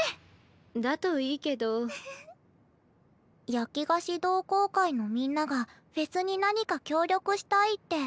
焼き菓子同好会のみんながフェスに何か協力したいって。